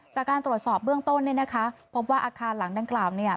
จากการตรวจสอบเบื้องต้นเนี่ยนะคะพบว่าอาคารหลังดังกล่าวเนี่ย